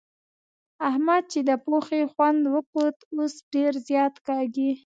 احمد چې د پوهې خوند وکوت؛ اوس ډېر زيار کاږي.